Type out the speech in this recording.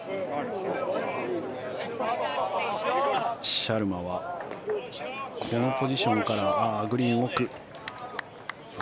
シャルマはこのポジションからグリーン奥。